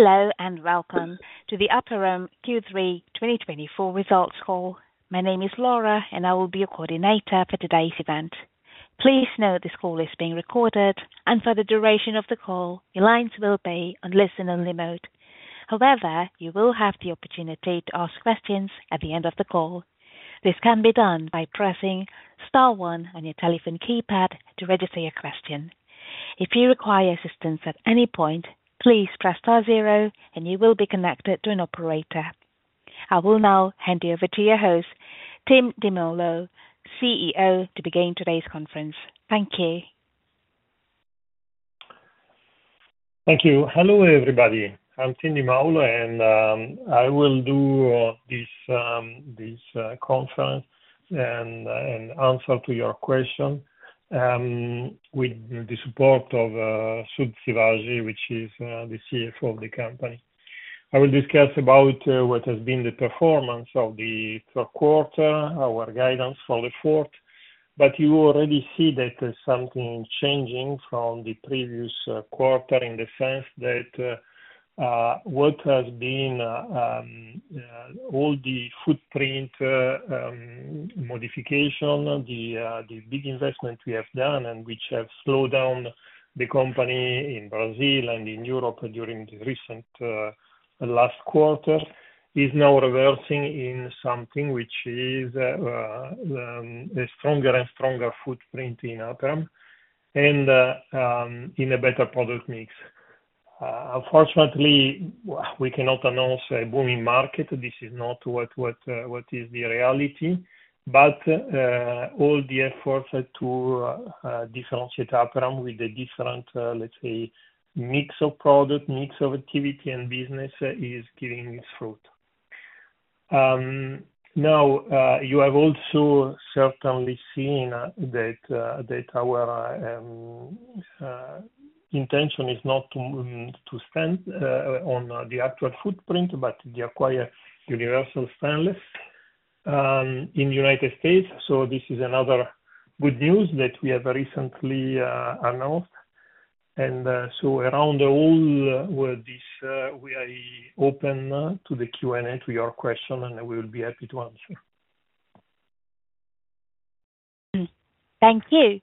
Hello and welcome to the Aperam Q3 2024 results call. My name is Laura, and I will be your coordinator for today's event. Please note this call is being recorded, and for the duration of the call, your lines will be on listen-only mode. However, you will have the opportunity to ask questions at the end of the call. This can be done by pressing star one on your telephone keypad to register your question. If you require assistance at any point, please press star zero, and you will be connected to an operator. I will now hand you over to your host, Tim Di Maulo, CEO, to begin today's conference. Thank you. Thank you. Hello, everybody. I'm Tim Di Maulo, and I will do this conference and answer to your question with the support of Sudh Sivaji, which is the CFO of the company. I will discuss what has been the performance of the third quarter, our guidance for the fourth. But you already see that there's something changing from the previous quarter in the sense that what has been all the footprint modification, the big investment we have done and which has slowed down the company in Brazil and in Europe during the recent last quarter, is now reversing in something which is a stronger and stronger footprint in Aperam and in a better product mix. Unfortunately, we cannot announce a booming market. This is not what is the reality. But all the efforts to differentiate Aperam with the different, let's say, mix of product, mix of activity, and business is giving its fruit. Now, you have also certainly seen that our intention is not to expand the actual footprint, but the acquired Universal Stainless in the United States. So this is another good news that we have recently announced. And so around the whole world, we are open to the Q&A, to your question, and we will be happy to answer. Thank you.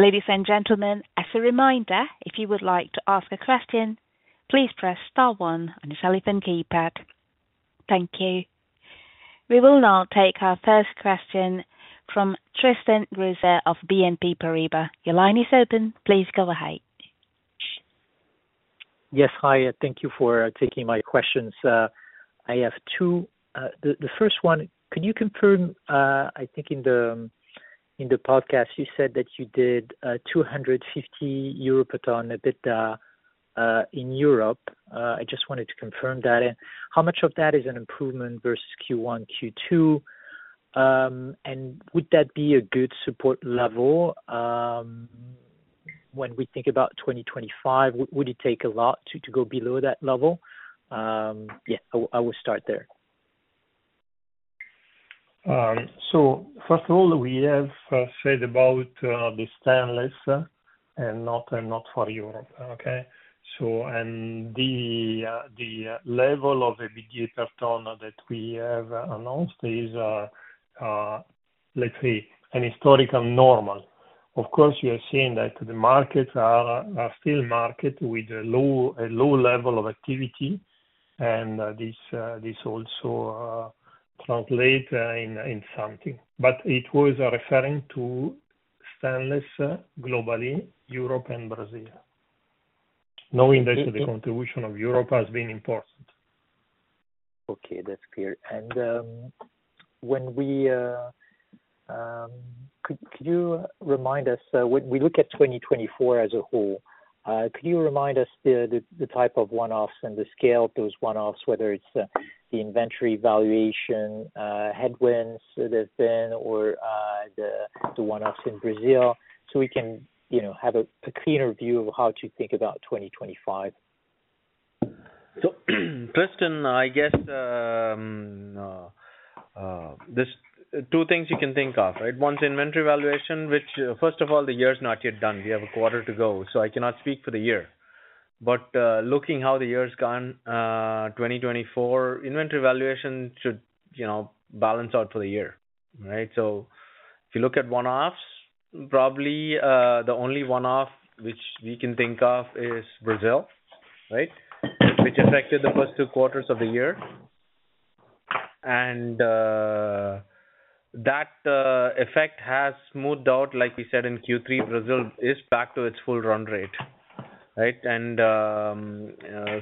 Ladies and gentlemen, as a reminder, if you would like to ask a question, please press star one on your telephone keypad. Thank you. We will now take our first question from Tristan Gresser of BNP Paribas. Your line is open. Please go ahead. Yes. Hi. Thank you for taking my questions. I have two. The first one, could you confirm, I think in the podcast, you said that you did 250 euro per ton EBITDA in Europe. I just wanted to confirm that. And how much of that is an improvement versus Q1, Q2? And would that be a good support level when we think about 2025? Would it take a lot to go below that level? Yeah, I will start there. So first of all, we have said about the Stainless and not for Europe, okay? And the level of EBITDA per ton that we have announced is, let's say, an historical normal. Of course, you have seen that the markets are still markets with a low level of activity, and this also translates in something. But it was referring to Stainless globally, Europe and Brazil, knowing that the contribution of Europe has been important. Okay. That's clear. And when we look at 2024 as a whole, could you remind us the type of one-offs and the scale of those one-offs, whether it's the inventory valuation headwinds there have been or the one-offs in Brazil, so we can have a cleaner view of how to think about 2025? So Tristan, I guess there's two things you can think of, right? One's inventory valuation, which, first of all, the year's not yet done. We have a quarter to go. So I cannot speak for the year. But looking at how the year's gone, 2024, inventory valuation should balance out for the year, right? So if you look at one-offs, probably the only one-off which we can think of is Brazil, right, which affected the first two quarters of the year. And that effect has smoothed out, like we said in Q3, Brazil is back to its full run rate, right? And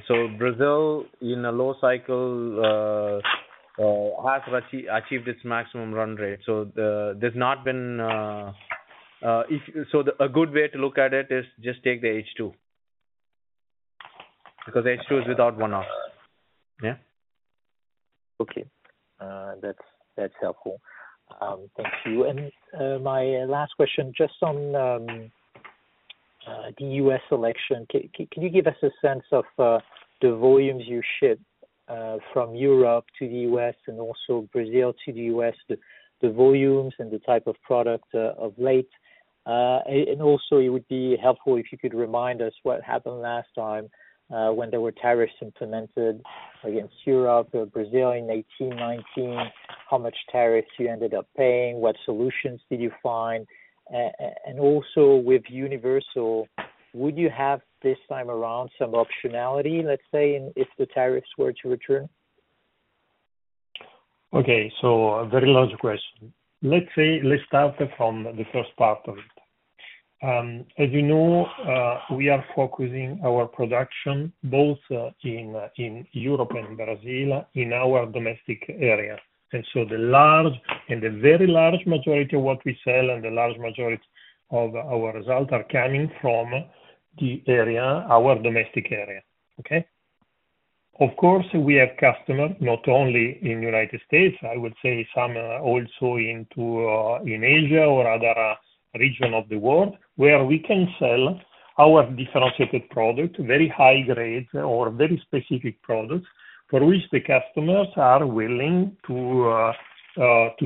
so Brazil, in a low cycle, has achieved its maximum run rate. So there's not been so a good way to look at it is just take the H2 because H2 is without one-offs. Yeah. Okay. That's helpful. Thank you. And my last question, just on the U.S. section, can you give us a sense of the volumes you ship from Europe to the U.S. and also Brazil to the U.S., the volumes and the type of product of late? And also, it would be helpful if you could remind us what happened last time when there were tariffs implemented against Europe or Brazil in 2018, 2019, how much tariffs you ended up paying, what solutions did you find? And also, with Universal, would you have this time around some optionality, let's say, if the tariffs were to return? Okay. So a very large question. Let's start from the first part of it. As you know, we are focusing our production both in Europe and Brazil in our domestic area, and so the large and the very large majority of what we sell and the large majority of our results are coming from the area, our domestic area, okay? Of course, we have customers not only in the United States. I would say some also in Asia or other regions of the world where we can sell our differentiated product, very high-grade or very specific products for which the customers are willing to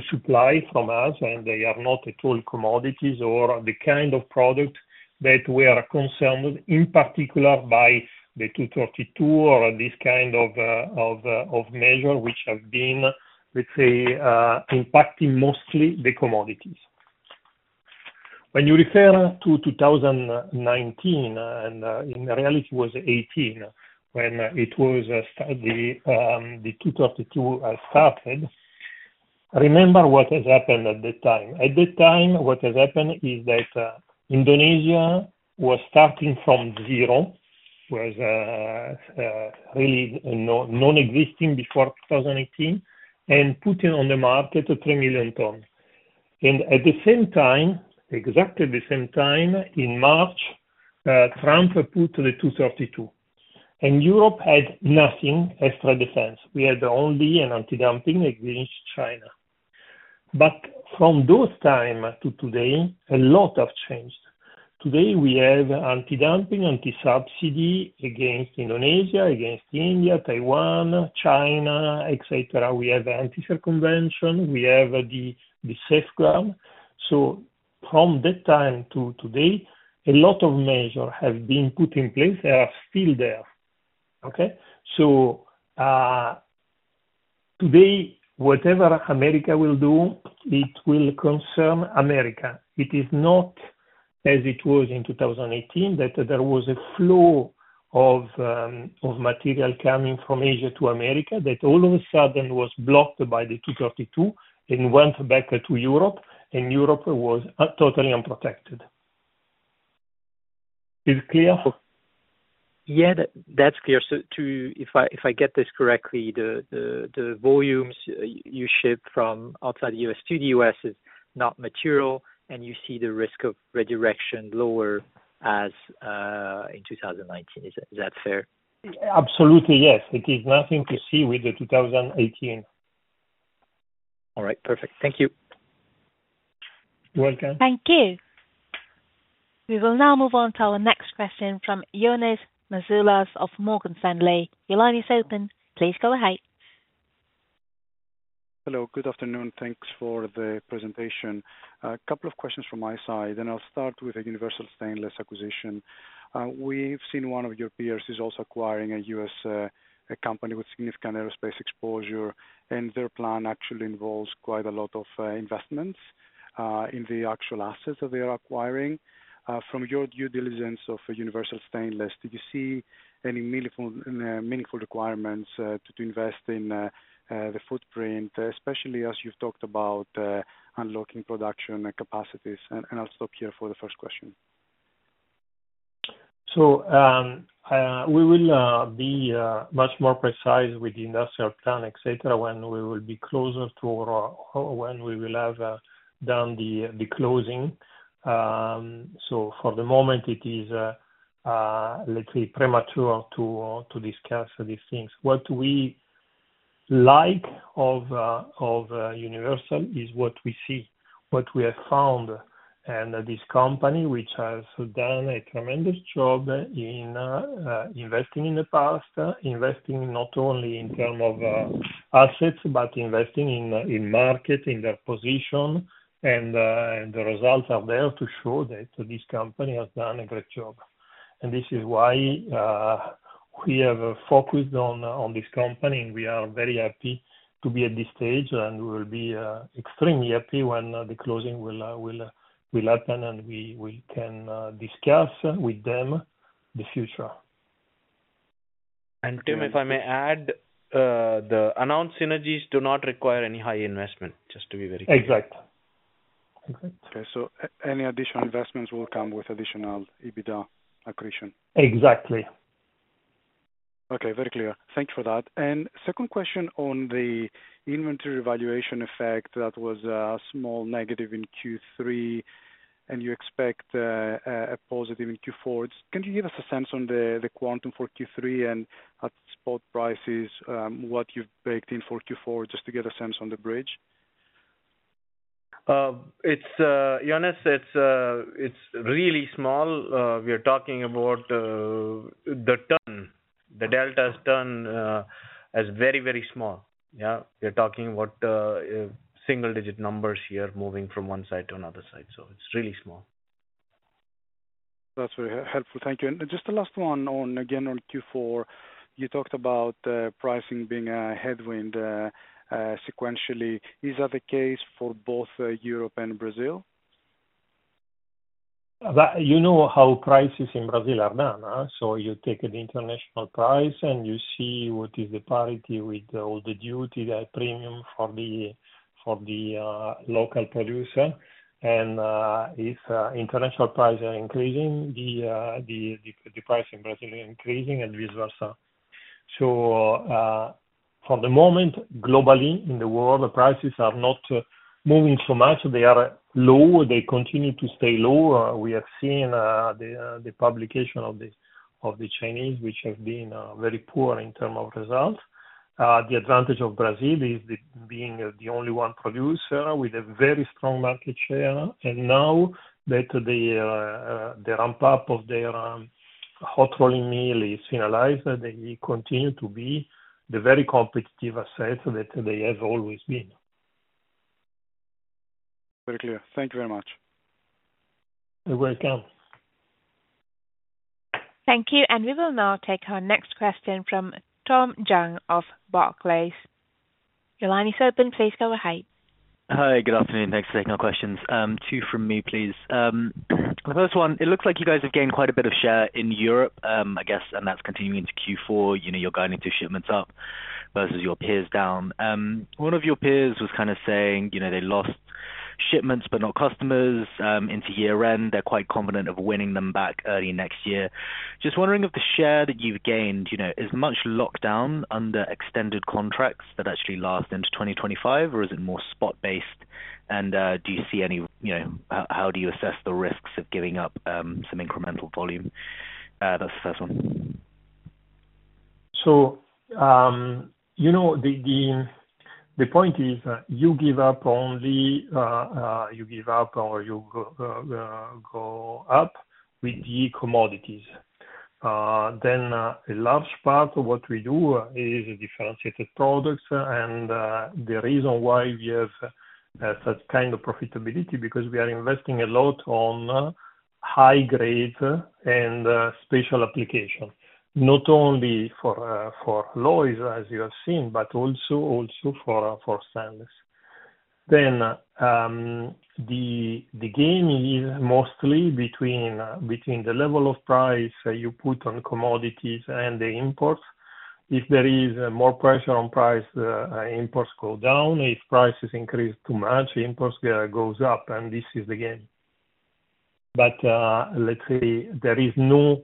supply from us, and they are not at all commodities or the kind of product that we are concerned in particular by the 232 or this kind of measure which has been, let's say, impacting mostly the commodities. When you refer to 2019, and in reality, it was 2018 when it was the 232 started, remember what has happened at that time. At that time, what has happened is that Indonesia was starting from zero, was really nonexistent before 2018, and putting on the market three million tons. And at the same time, exactly at the same time, in March, Trump put the 232. And Europe had nothing as trade defense. We had only an anti-dumping against China. But from those times to today, a lot has changed. Today, we have anti-dumping, anti-subsidy against Indonesia, against India, Taiwan, China, etc. We have the anti-circumvention. We have the safeguard. So from that time to today, a lot of measures have been put in place that are still there, okay? So today, whatever America will do, it will concern America. It is not as it was in 2018 that there was a flow of material coming from Asia to America that all of a sudden was blocked by the 232 and went back to Europe, and Europe was totally unprotected. Is it clear? Yeah, that's clear. So if I get this correctly, the volumes you ship from outside the U.S. to the U.S. is not material, and you see the risk of redirection lower as in 2019. Is that fair? Absolutely, yes. It has nothing to do with the 2018. All right. Perfect. Thank you. You're welcome. Thank you. We will now move on to our next question from Ioannis Masvoulas of Morgan Stanley. Your line is open. Please go ahead. Hello. Good afternoon. Thanks for the presentation. A couple of questions from my side, and I'll start with a Universal Stainless acquisition. We've seen one of your peers is also acquiring a U.S. company with significant aerospace exposure, and their plan actually involves quite a lot of investments in the actual assets that they are acquiring. From your due diligence of Universal Stainless, did you see any meaningful requirements to invest in the footprint, especially as you've talked about unlocking production capacities, and I'll stop here for the first question. So we will be much more precise with the industrial plan, etc., when we will be closer to when we will have done the closing. So for the moment, it is, let's say, premature to discuss these things. What we like of Universal is what we see, what we have found, and this company, which has done a tremendous job in investing in the past, investing not only in terms of assets, but investing in market, in their position. And the results are there to show that this company has done a great job. And this is why we have focused on this company, and we are very happy to be at this stage, and we will be extremely happy when the closing will happen, and we can discuss with them the future. Tim, if I may add, the announced synergies do not require any high investment, just to be very clear. Exactly. Exactly. Okay, so any additional investments will come with additional EBITDA accretion. Exactly. Okay. Very clear. Thank you for that. And second question on the inventory valuation effect that was a small negative in Q3, and you expect a positive in Q4. Can you give us a sense on the quantum for Q3 and at spot prices, what you've baked in for Q4, just to get a sense on the bridge? Ioannis, it's really small. We are talking about the delta is very, very small. Yeah. We are talking about single-digit numbers here moving from one side to another side. So it's really small. That's very helpful. Thank you. And just the last one on, again, on Q4, you talked about pricing being a headwind sequentially. Is that the case for both Europe and Brazil? You know how prices in Brazil are done. So you take the international price, and you see what is the parity with all the duty, the premium for the local producer. And if international prices are increasing, the price in Brazil is increasing and vice versa. So for the moment, globally in the world, prices are not moving so much. They are low. They continue to stay low. We have seen the publication of the Chinese, which have been very poor in terms of results. The advantage of Brazil is being the only one producer with a very strong market share. And now that the ramp-up of their hot-rolling mill is finalized, they continue to be the very competitive assets that they have always been. Very clear. Thank you very much. You're welcome. Thank you. And we will now take our next question from Tom Zhang of Barclays. Your line is open. Please go ahead. Hi. Good afternoon. Thanks for taking our questions. Two from me, please. The first one, it looks like you guys have gained quite a bit of share in Europe, I guess, and that's continuing into Q4. You're guiding to shipments up versus your peers down. One of your peers was kind of saying they lost shipments, but not customers into year-end. They're quite confident of winning them back early next year. Just wondering if the share that you've gained is much locked down under extended contracts that actually last into 2025, or is it more spot-based? And do you see any? How do you assess the risks of giving up some incremental volume? That's the first one. The point is you give up only or you go up with the commodities. Then a large part of what we do is differentiated products. The reason why we have such kind of profitability is because we are investing a lot on high-grade and special applications, not only for alloys, as you have seen, but also for stainless. The game is mostly between the level of price you put on commodities and the imports. If there is more pressure on price, imports go down. If prices increase too much, imports go up, and this is the game. But let's say there is no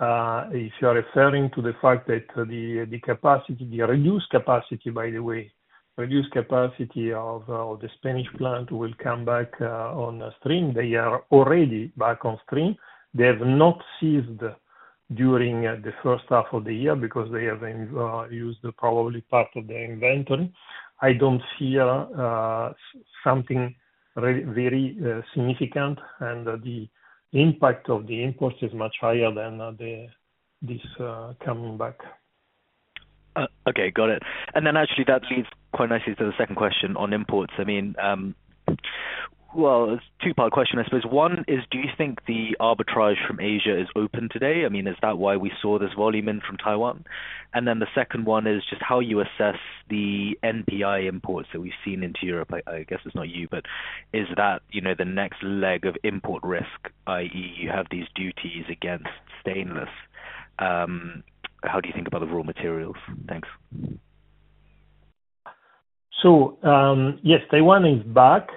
if you're referring to the fact that the capacity, by the way, of the Spanish plant will come back on stream. They are already back on stream. They have not ceased during the first half of the year because they have used probably part of their inventory. I don't see something very significant, and the impact of the imports is much higher than this coming back. Okay. Got it. And then actually, that leads quite nicely to the second question on imports. I mean, well, it's a two-part question, I suppose. One is, do you think the arbitrage from Asia is open today? I mean, is that why we saw this volume in from Taiwan? And then the second one is just how you assess the NPI imports that we've seen into Europe. I guess it's not you, but is that the next leg of import risk, i.e., you have these duties against stainless? How do you think about the raw materials? Thanks. So yes, Taiwan is back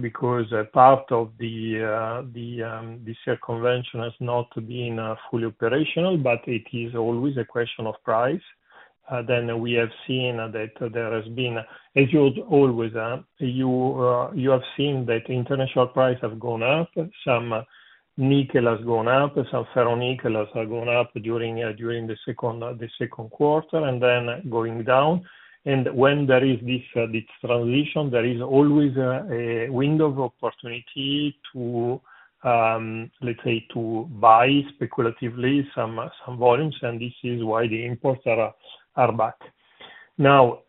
because part of the circumvention has not been fully operational, but it is always a question of price. Then we have seen that there has been, as you always have, you have seen that international prices have gone up. Some nickel has gone up. Some ferronickels have gone up during the second quarter and then going down. And when there is this transition, there is always a window of opportunity to, let's say, to buy speculatively some volumes, and this is why the imports are back. Now,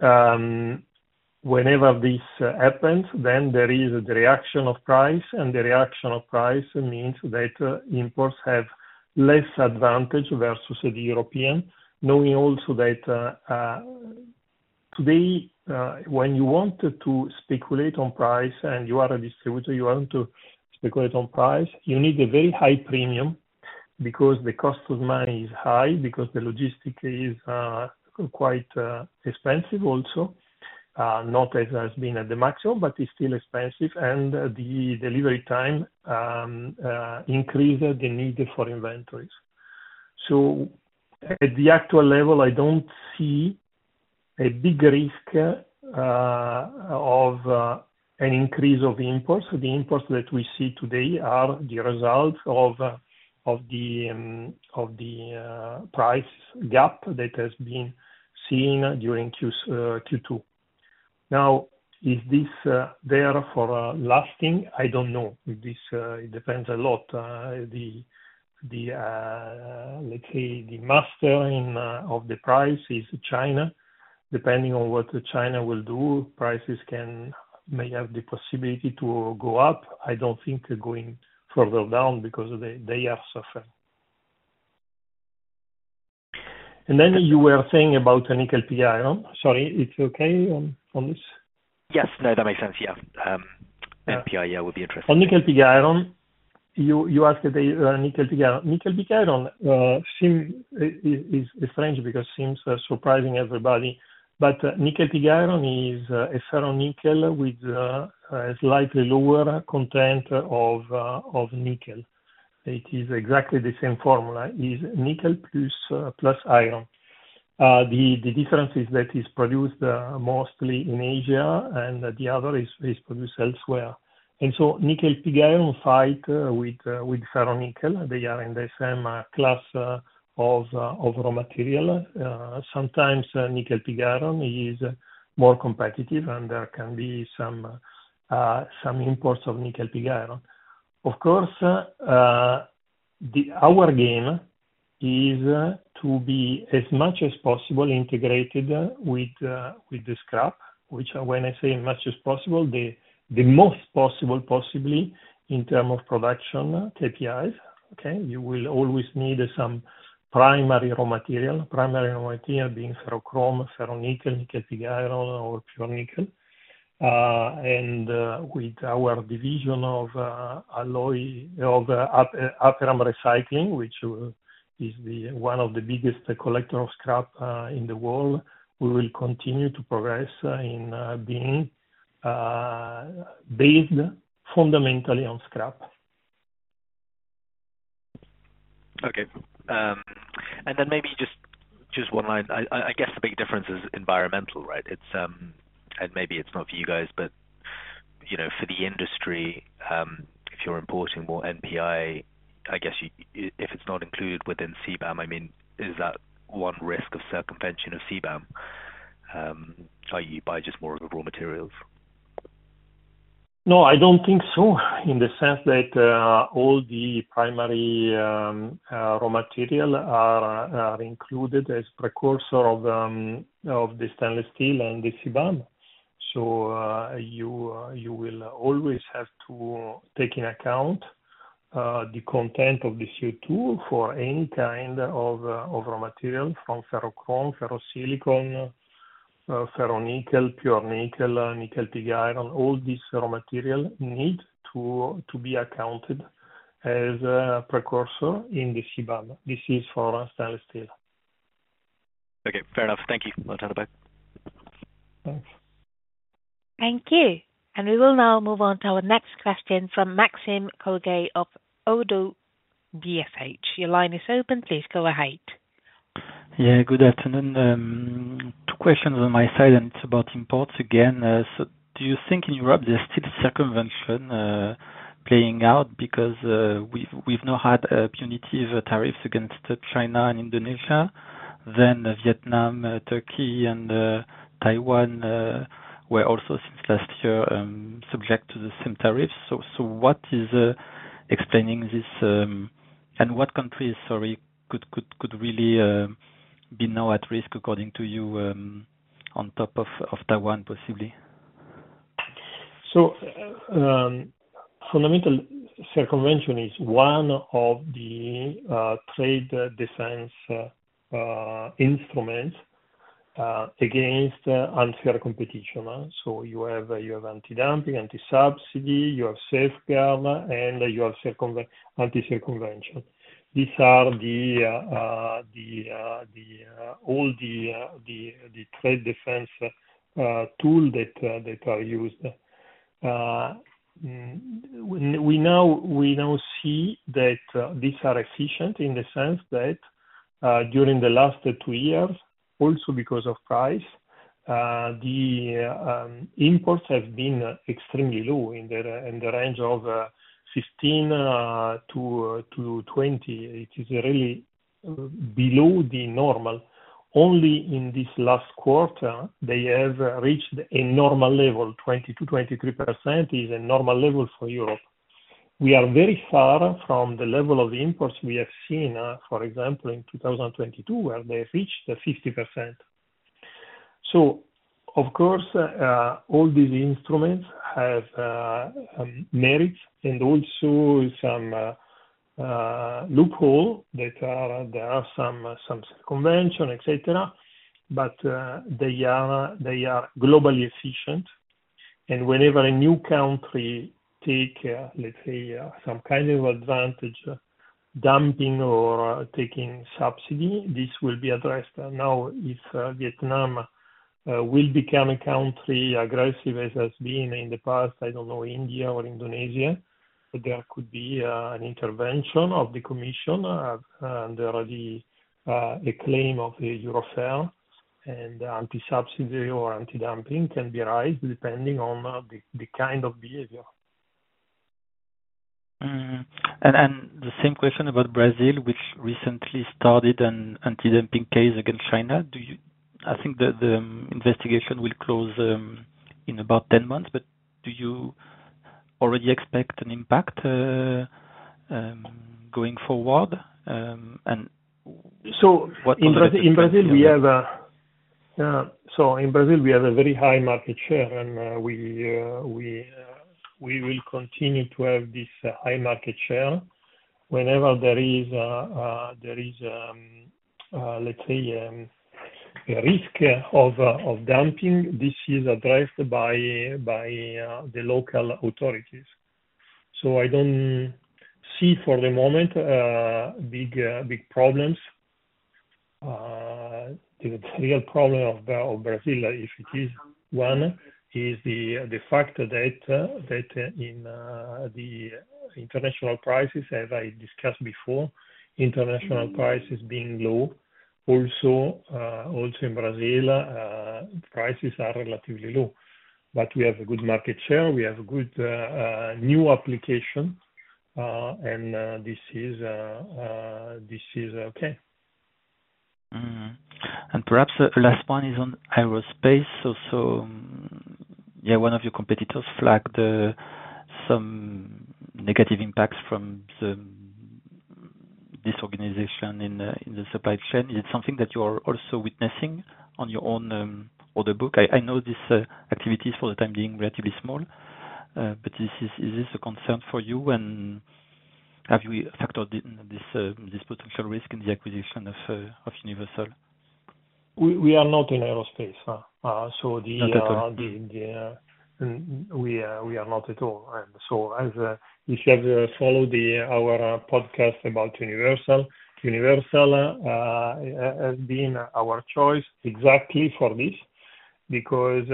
whenever this happens, then there is the reaction of price, and the reaction of price means that imports have less advantage versus the European, knowing also that today, when you want to speculate on price and you are a distributor, you want to speculate on price, you need a very high premium because the cost of money is high, because the logistics is quite expensive also, not as has been at the maximum, but it's still expensive, and the delivery time increases the need for inventories. So at the actual level, I don't see a big risk of an increase of imports. The imports that we see today are the result of the price gap that has been seen during Q2. Now, is this there for lasting? I don't know. It depends a lot. Let's say the master of the price is China. Depending on what China will do, prices may have the possibility to go up. I don't think going further down because they are suffering, and then you were saying about a nickel pig iron. Sorry, it's okay on this? Yes. No, that makes sense. Yeah. NPI, yeah, would be interesting. On nickel pig iron, you asked about nickel pig iron. Nickel pig iron is strange because it seems surprising everybody. But nickel pig iron is a ferronickel with a slightly lower content of nickel. It is exactly the same formula: nickel plus iron. The difference is that it's produced mostly in Asia, and the other is produced elsewhere. And so nickel pig iron fights with ferronickel. They are in the same class of raw material. Sometimes nickel pig iron is more competitive, and there can be some imports of nickel pig iron. Of course, our game is to be as much as possible integrated with the scrap, which when I say as much as possible, the most possible possibly in terms of production KPIs, okay? You will always need some primary raw material, primary raw material being ferrochrome, ferronickel, nickel pig iron, or pure nickel. And with our Aperam Recycling division, which is one of the biggest collectors of scrap in the world, we will continue to progress in being based fundamentally on scrap. Okay. And then maybe just one line. I guess the big difference is environmental, right? And maybe it's not for you guys, but for the industry, if you're importing more NPI, I guess if it's not included within CBAM, I mean, is that one risk of circumvention of CBAM? Are you buying just more of the raw materials? No, I don't think so in the sense that all the primary raw material are included as precursor of the stainless steel and the CBAM. So you will always have to take into account the content of the CO2 for any kind of raw material from ferrochrome, ferrosilicon, ferronickel, pure nickel, nickel pig iron. All these raw materials need to be accounted as a precursor in the CBAM. This is for stainless steel. Okay. Fair enough. Thank you. I'll turn it back. Thanks. Thank you. And we will now move on to our next question from Maxime Kogge of ODDO BHF. Your line is open. Please go ahead. Yeah. Good afternoon. Two questions on my side, and it's about imports again. So do you think in Europe there's still circumvention playing out because we've now had punitive tariffs against China and Indonesia, then Vietnam, Turkey, and Taiwan were also since last year subject to the same tariffs? So what is explaining this? And what countries, sorry, could really be now at risk, according to you, on top of Taiwan possibly? Fundamental circumvention is one of the trade defense instruments against unfair competition. You have anti-dumping, anti-subsidy, you have safeguard, and you have anti-circumvention. These are all the trade defense tools that are used. We now see that these are efficient in the sense that during the last two years, also because of price, the imports have been extremely low in the range of 15%-20%. It is really below the normal. Only in this last quarter, they have reached a normal level. 22%-23% is a normal level for Europe. We are very far from the level of imports we have seen, for example, in 2022, where they reached 50%. Of course, all these instruments have merits and also some loopholes that there are some circumvention, etc. But they are globally efficient. Whenever a new country takes, let's say, some kind of advantage, dumping or taking subsidy, this will be addressed. Now, if Vietnam will become a country aggressive as has been in the past, I don't know, India or Indonesia, there could be an intervention of the Commission, and there will be a claim of Eurofer, and anti-subsidy or anti-dumping can be raised depending on the kind of behavior. The same question about Brazil, which recently started an anti-dumping case against China. I think the investigation will close in about 10 months, but do you already expect an impact going forward? And what concerns you? So in Brazil, we have a very high market share, and we will continue to have this high market share. Whenever there is, let's say, a risk of dumping, this is addressed by the local authorities. So I don't see for the moment big problems. The real problem of Brazil, if it is one, is the fact that in the international prices, as I discussed before, international prices being low, also in Brazil, prices are relatively low. But we have a good market share. We have a good new application, and this is okay. Perhaps the last one is on aerospace. Yeah, one of your competitors flagged some negative impacts from this organization in the supply chain. Is it something that you are also witnessing on your own order book? I know this activity is, for the time being, relatively small, but is this a concern for you, and have you factored in this potential risk in the acquisition of Universal? We are not in aerospace. So the. Not at all. We are not at all, and so if you have followed our podcast about Universal, Universal has been our choice exactly for this because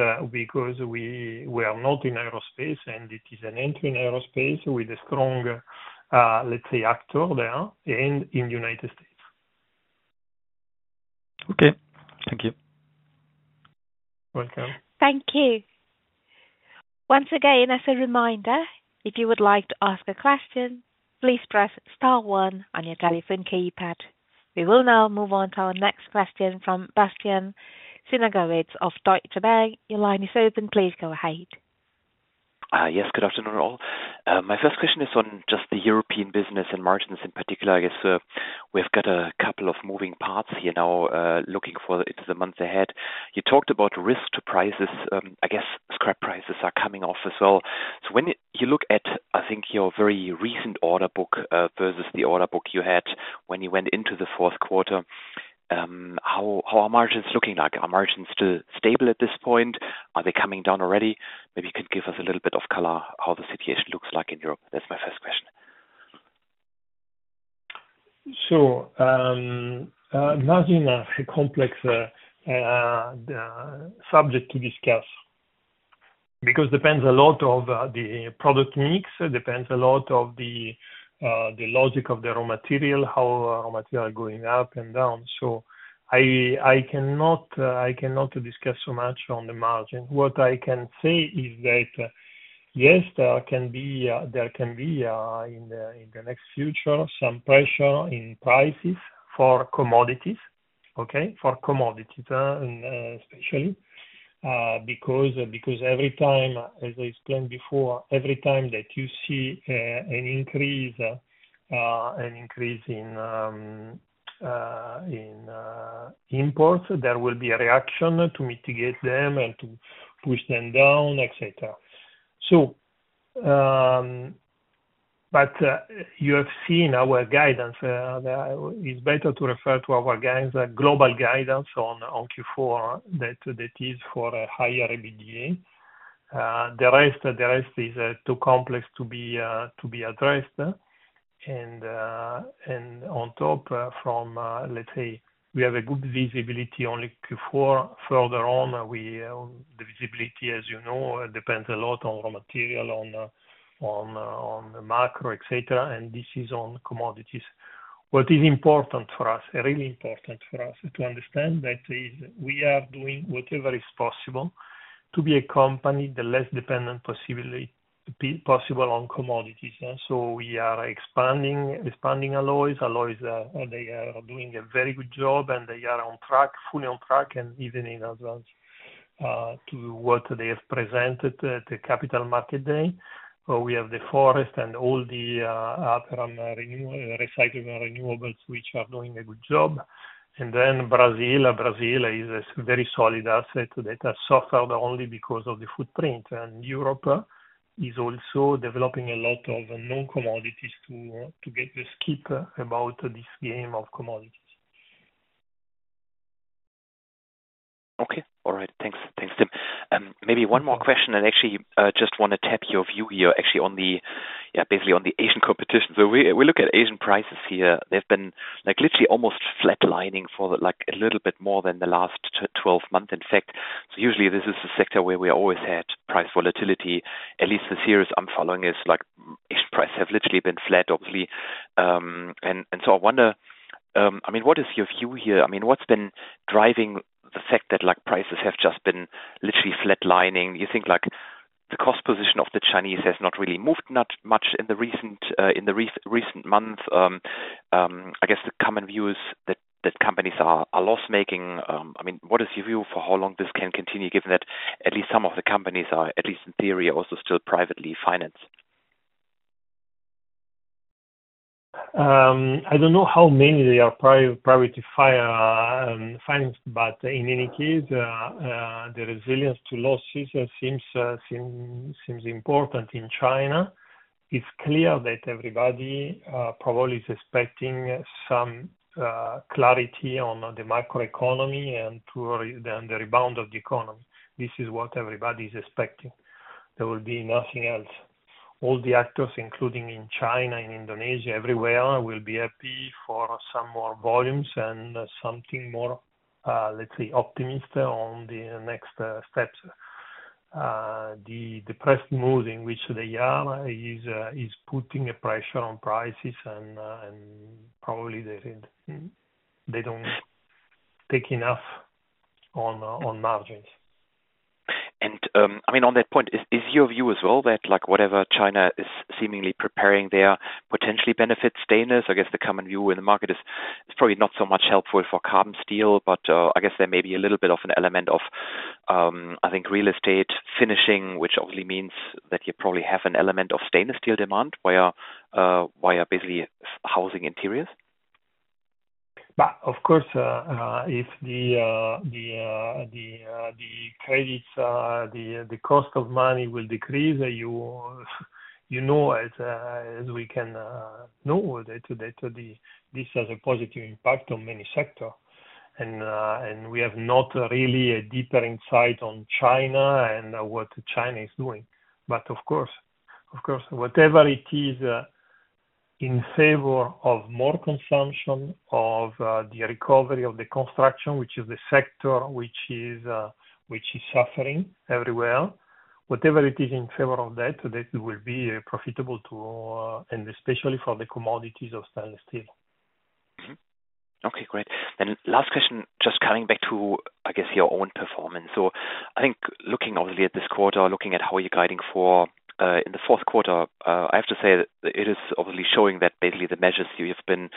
we are not in aerospace, and it is an entry in aerospace with a strong, let's say, actor there and in the United States. Okay. Thank you. Welcome. Thank you. Once again, as a reminder, if you would like to ask a question, please press star 1 on your telephone keypad. We will now move on to our next question from Bastian Synagowitz of Deutsche Bank. Your line is open. Please go ahead. Yes. Good afternoon all. My first question is on just the European business and margins in particular. I guess we've got a couple of moving parts here now looking forward into the months ahead. You talked about risk to prices. I guess scrap prices are coming off as well. So when you look at, I think, your very recent order book versus the order book you had when you went into the fourth quarter, how are margins looking like? Are margins still stable at this point? Are they coming down already? Maybe you could give us a little bit of color how the situation looks like in Europe. That's my first question. So margin is a complex subject to discuss because it depends a lot on the product mix. It depends a lot on the logic of the raw material, how raw material is going up and down. So I cannot discuss so much on the margins. What I can say is that, yes, there can be in the next future some pressure in prices for commodities, okay, for commodities especially, because every time, as I explained before, every time that you see an increase in imports, there will be a reaction to mitigate them and to push them down, etc. But you have seen our guidance. It's better to refer to our guidance, global guidance on Q4, that is for a higher EBITDA. The rest is too complex to be addressed. And on top, from, let's say, we have a good visibility on Q4. Further on, the visibility, as you know, depends a lot on raw material, on macro, etc., and this is on commodities. What is important for us, really important for us to understand, is that we are doing whatever is possible to be a company the less dependent possible on commodities. So we are expanding alloys. Alloys, they are doing a very good job, and they are on track, fully on track, and even in advance to what they have presented at the Capital Market Day. We have the forest and Aperam Recycling and renewables, which are doing a good job. And then Brazil is a very solid asset that has suffered only because of the footprint. And Europe is also developing a lot of non-commodities to escape this game of commodities. Okay. All right. Thanks, Tim. Maybe one more question, and actually just want to tap your view here, actually, basically on the Asian competition. So we look at Asian prices here. They've been literally almost flatlining for a little bit more than the last 12 months, in fact. So usually, this is a sector where we always had price volatility. At least the series I'm following is Asian prices have literally been flat, obviously. And so I wonder, I mean, what is your view here? I mean, what's been driving the fact that prices have just been literally flatlining? You think the cost position of the Chinese has not really moved much in the recent months? I guess the common view is that companies are loss-making. I mean, what is your view for how long this can continue, given that at least some of the companies are, at least in theory, also still privately financed? I don't know how many they are privately financed, but in any case, the resilience to losses seems important in China. It's clear that everybody probably is expecting some clarity on the macroeconomy and the rebound of the economy. This is what everybody is expecting. There will be nothing else. All the actors, including in China, in Indonesia, everywhere, will be happy for some more volumes and something more, let's say, optimistic on the next steps. The pressure in which they are is putting pressure on prices, and probably they don't take enough on margins. I mean, on that point, is your view as well that whatever China is seemingly preparing there potentially benefits stainless? I guess the common view in the market is it's probably not so much helpful for carbon steel, but I guess there may be a little bit of an element of, I think, real estate finishing, which obviously means that you probably have an element of stainless steel demand via basically housing interiors. But of course, if the credits, the cost of money will decrease, you know as we can know that this has a positive impact on many sectors. And we have not really a deeper insight on China and what China is doing. But of course, whatever it is in favor of more consumption of the recovery of the construction, which is the sector which is suffering everywhere, whatever it is in favor of that, that will be profitable too, and especially for the commodities of stainless steel. Okay. Great. Then last question, just coming back to, I guess, your own performance. So I think looking obviously at this quarter, looking at how you're guiding for in the fourth quarter, I have to say it is obviously showing that basically the measures you have been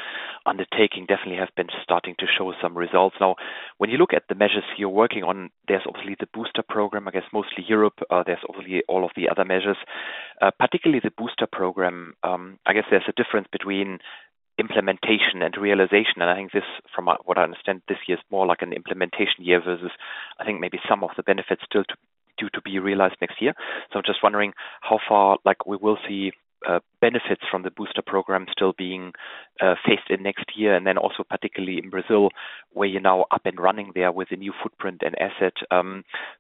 undertaking definitely have been starting to show some results. Now, when you look at the measures you're working on, there's obviously the Booster program, I guess, mostly Europe. There's obviously all of the other measures. Particularly the Booster program, I guess there's a difference between implementation and realization. And I think this, from what I understand, this year is more like an implementation year versus, I think, maybe some of the benefits still due to be realized next year. So I'm just wondering how far we will see benefits from the Booster program still being faced in next year. And then also particularly in Brazil, where you're now up and running there with a new footprint and asset.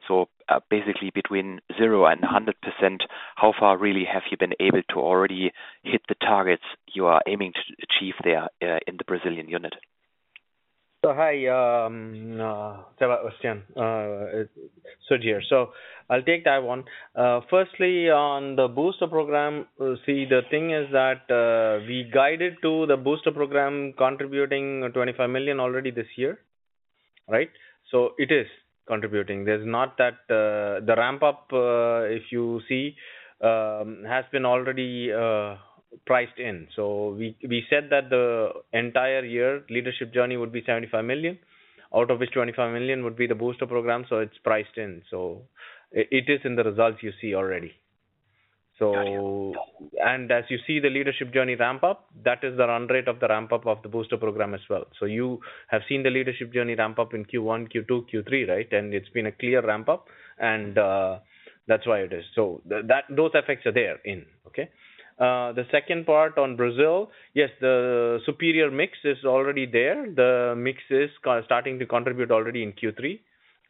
So basically between 0% and 100%, how far really have you been able to already hit the targets you are aiming to achieve there in the Brazilian unit? Hi, Bastian Synagowitz. I'll take that one. Firstly, on the Booster program, see, the thing is that we guided to the Booster program contributing 25 million already this year, right? So it is contributing. There's not that the ramp-up, if you see, has been already priced in. So we said that the entire year Leadership Journey would be 75 million, out of which 25 million would be the Booster program. So it's priced in. So it is in the results you see already. So and as you see the Leadership Journey ramp-up, that is the run rate of the ramp-up of the Booster program as well. So you have seen the Leadership Journey ramp-up in Q1, Q2, Q3, right? And it's been a clear ramp-up, and that's why it is. So those effects are there in, okay? The second part on Brazil, yes, the superior mix is already there. The mix is starting to contribute already in Q3,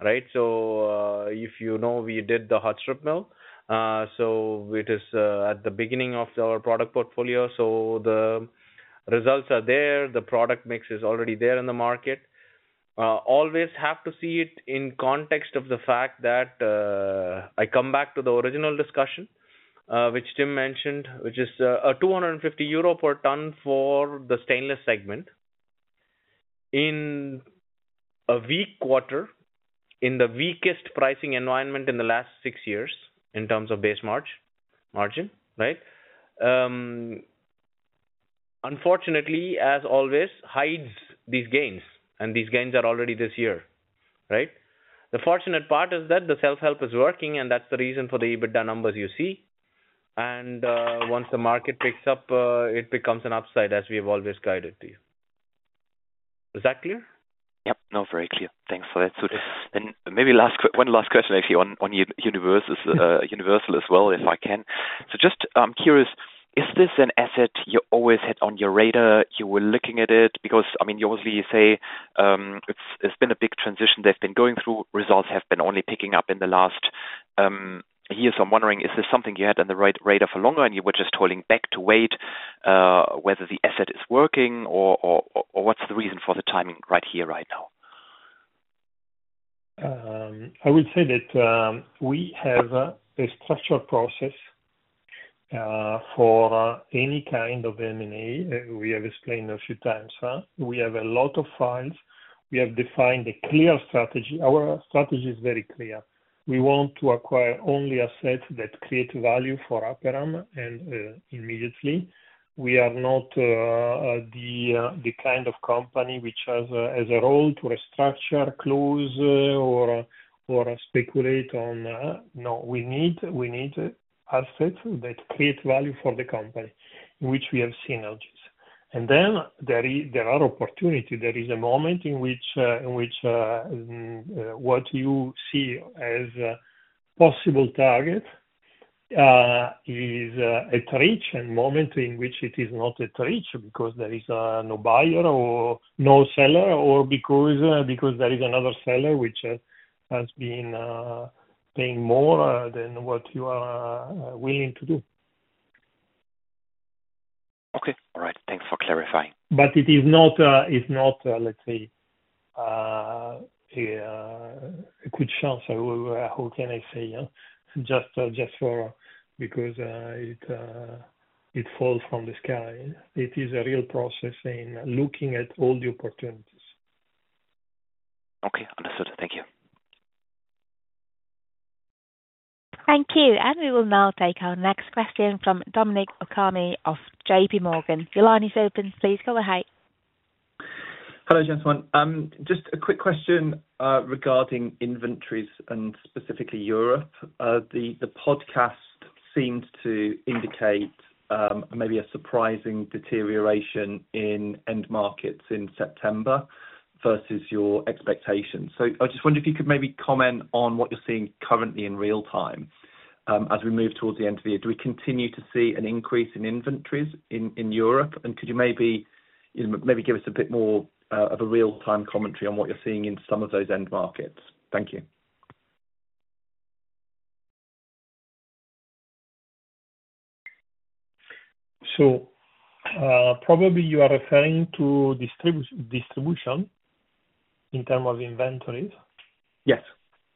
right? So, you know, we did the hot strip mill. So it is at the beginning of our product portfolio. So the results are there. The product mix is already there in the market. Always have to see it in context of the fact that I come back to the original discussion, which Tim mentioned, which is 250 euro per ton for the stainless segment in a weak quarter in the weakest pricing environment in the last six years in terms of base margin, right? Unfortunately, as always, hides these gains, and these gains are already this year, right? The fortunate part is that the self-help is working, and that's the reason for the EBITDA numbers you see. And once the market picks up, it becomes an upside as we have always guided to you. Is that clear? Yep. No, very clear. Thanks for that, Sudh. And maybe one last question, actually, on Universal as well, if I can. So just I'm curious, is this an asset you always had on your radar? You were looking at it because, I mean, you obviously say it's been a big transition they've been going through. Results have been only picking up in the last years. I'm wondering, is this something you had on the radar for longer, and you were just holding back to wait whether the asset is working, or what's the reason for the timing right here, right now? I would say that we have a structured process for any kind of M&A. We have explained a few times. We have a lot of files. We have defined a clear strategy. Our strategy is very clear. We want to acquire only assets that create value for Aperam and immediately. We are not the kind of company which has a role to restructure, close, or speculate on. No, we need assets that create value for the company in which we have synergies. And then there are opportunities. There is a moment in which what you see as a possible target is reachable and moment in which it is not reachable because there is no buyer or no seller, or because there is another seller which has been paying more than what you are willing to do. Okay. All right. Thanks for clarifying. But it is not, let's say, a quick chance. How can I say? Just because it falls from the sky. It is a real process in looking at all the opportunities. Okay. Understood. Thank you. Thank you. And we will now take our next question from Dominic O'Kane of J.P. Morgan. Your line is open. Please go ahead. Hello, gentlemen. Just a quick question regarding inventories and specifically Europe. The podcast seemed to indicate maybe a surprising deterioration in end markets in September versus your expectations. So I just wondered if you could maybe comment on what you're seeing currently in real time as we move towards the end of the year. Do we continue to see an increase in inventories in Europe? And could you maybe give us a bit more of a real-time commentary on what you're seeing in some of those end markets? Thank you. So probably you are referring to distribution in terms of inventories? Yes.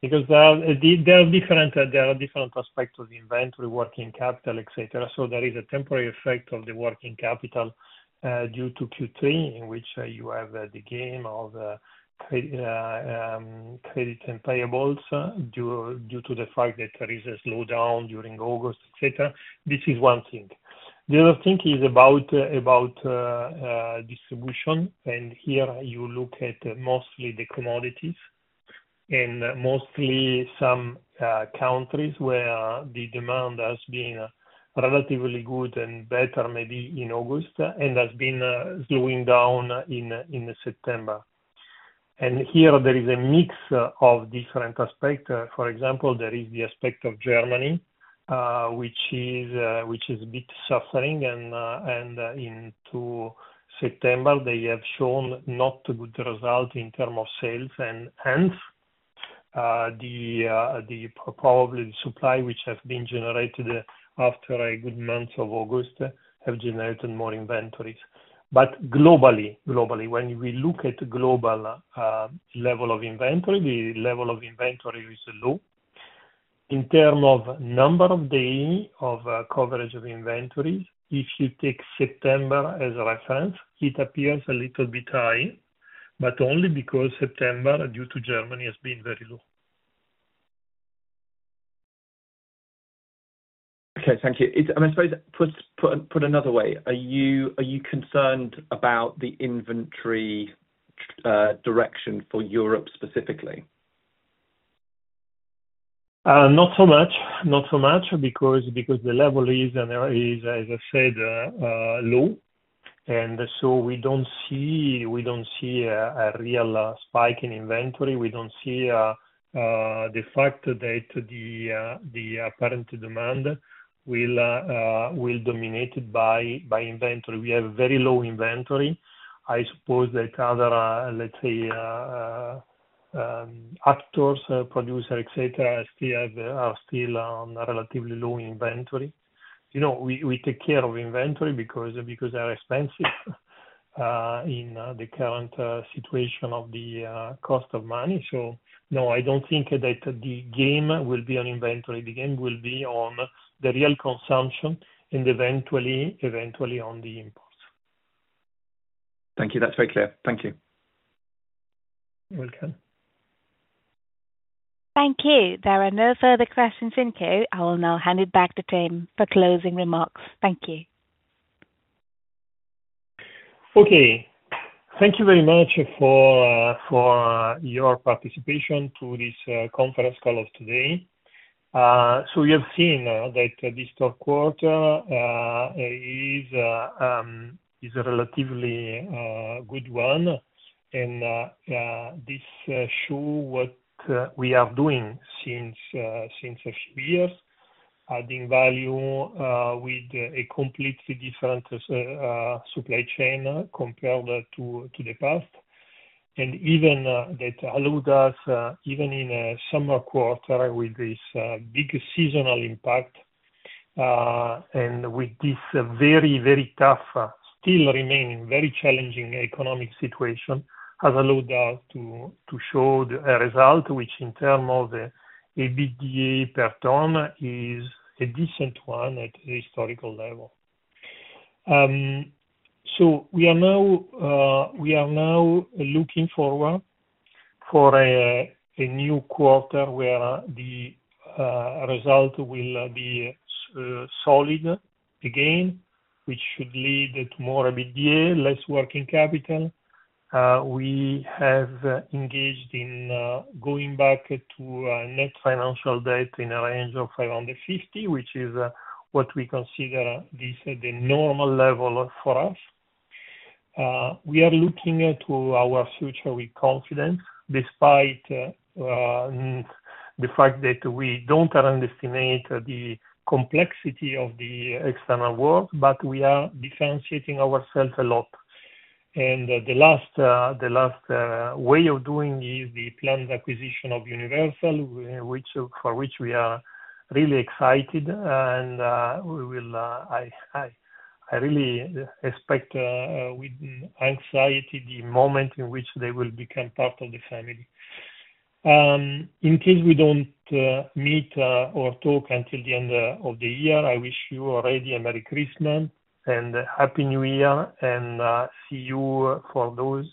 Because there are different aspects of inventory, working capital, etc. So there is a temporary effect of the working capital due to Q3, in which you have the game of credits and payables due to the fact that there is a slowdown during August, etc. This is one thing. The other thing is about distribution. And here you look at mostly the commodities and mostly some countries where the demand has been relatively good and better maybe in August and has been slowing down in September. And here there is a mix of different aspects. For example, there is the aspect of Germany, which is a bit suffering. And in September, they have shown not good results in terms of sales. And hence, probably the supply which has been generated after a good month of August has generated more inventories. But globally, when we look at the global level of inventory, the level of inventory is low. In terms of number of days of coverage of inventories, if you take September as a reference, it appears a little bit high, but only because September, due to Germany, has been very low. Okay. Thank you. I'm sorry, put another way. Are you concerned about the inventory direction for Europe specifically? Not so much. Not so much because the level is, as I said, low, and so we don't see a real spike in inventory. We don't see the fact that the apparent demand will be dominated by inventory. We have very low inventory. I suppose that other, let's say, actors, producers, etc., are still on relatively low inventory. We take care of inventory because they are expensive in the current situation of the cost of money. So no, I don't think that the game will be on inventory. The game will be on the real consumption and eventually on the imports. Thank you. That's very clear. Thank you. You're welcome. Thank you. There are no further questions in queue. I will now hand it back to Tim for closing remarks. Thank you. Okay. Thank you very much for your participation to this conference call of today. So you have seen that this third quarter is a relatively good one. And this shows what we are doing since a few years, adding value with a completely different supply chain compared to the past. And even that allowed us, even in a summer quarter with this big seasonal impact and with this very, very tough, still remaining very challenging economic situation, has allowed us to show a result which, in terms of the EBITDA per ton, is a decent one at a historical level. So we are now looking forward for a new quarter where the result will be solid again, which should lead to more EBITDA, less working capital. We have engaged in going back to net financial debt in a range of 550 million, which is what we consider the normal level for us. We are looking to our future with confidence despite the fact that we don't underestimate the complexity of the external world, but we are differentiating ourselves a lot, and the last way of doing is the planned acquisition of Universal, for which we are really excited, and I really expect with anxiety the moment in which they will become part of the family. In case we don't meet or talk until the end of the year, I wish you already a Merry Christmas and Happy New Year, and see you for those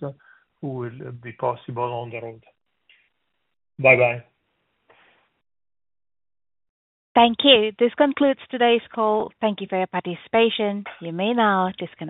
who will be possible on the road. Bye-bye. Thank you. This concludes today's call. Thank you for your participation. You may now disconnect.